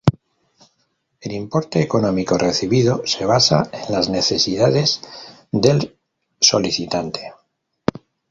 El importe económico recibido se basa en las necesidades del solicitante.